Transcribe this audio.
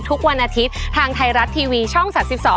ทุกวันอาทิตย์ทางไทรัตทีวีช่องสัตว์๑๒